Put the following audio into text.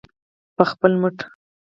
په خپل مټ.